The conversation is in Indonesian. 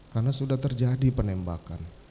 karena sudah terjadi penembakan